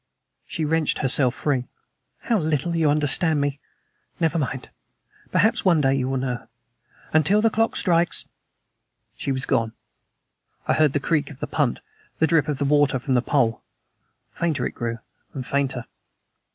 She wrenched herself free. "How little you understand me. Never mind. Perhaps one day you will know! Until the clock strikes!" She was gone. I heard the creak of the punt, the drip of the water from the pole. Fainter it grew, and fainter.